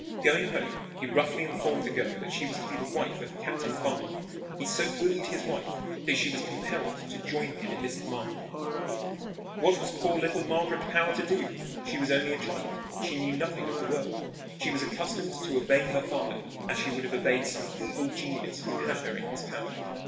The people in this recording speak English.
Going home, he roughly informed the girl that she was to be the wife of Captain Farmer. He so bullied his wife that she was compelled to join him in this command. What was poor little Margaret Power to do? She was only a child. She knew nothing of the world. She was accustomed to obey her father as she would have obeyed some evil genius who had her in his power.